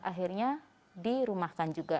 akhirnya dirumahkan juga